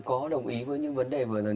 có đồng ý với những vấn đề vừa rồi